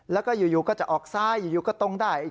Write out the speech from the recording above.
แล้วก็อยู่ก็จะออกซ้ายอยู่ก็ตรงได้